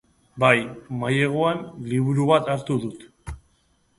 Bai, maileguan, liburu bat hartu dut.